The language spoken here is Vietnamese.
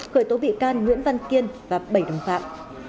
khởi tố bị can nguyễn văn kiên và bảy đồng phạm